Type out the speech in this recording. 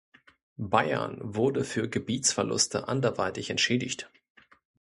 Bayern wurde für Gebietsverluste anderweitig entschädigt.